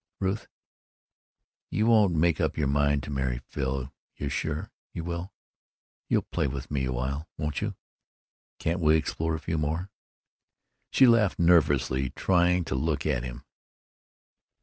"Ruth, you won't make up your mind to marry Phil till you're sure, will you? You'll play with me awhile, won't you? Can't we explore a few more——" She laughed nervously, trying to look at him.